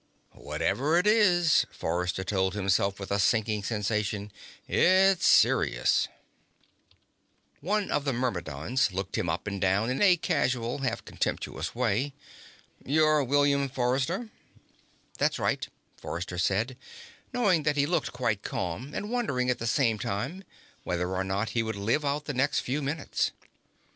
Whatever it is, Forrester told himself with a sinking sensation, it's serious. One of the Myrmidons looked him up and down in a casual, half contemptuous way. "You're William Forrester?" "That's right," Forrester said, knowing that he looked quite calm, and wondering, at the same time, whether or not he would live out the next few minutes.